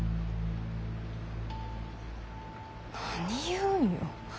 何言うんよ